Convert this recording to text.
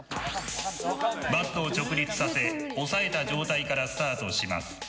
バットを直立させ押さえた状態からスタートします。